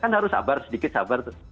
kan harus sabar sedikit sabar